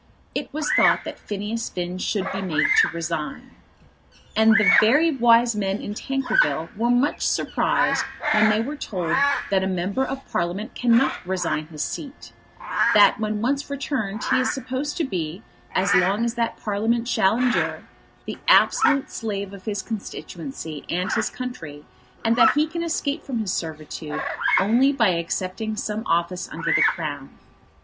It was thought that Phineas Finn should be made to resign. And very wise men in Tankerville were much surprised when they were told that a member of Parliament cannot resign his seat, that when once returned he is supposed to be, as long as that Parliament shall endure, the absolute slave of his constituency and his country, and that he can escape from his servitude only by accepting some office under the Crown.